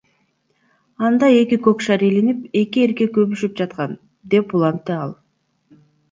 Анда эки көк шар илинип, эки эркек өбүшүп жаткан, — деп улантты ал.